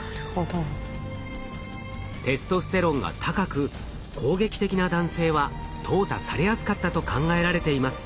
テストステロンが高く攻撃的な男性は淘汰されやすかったと考えられています。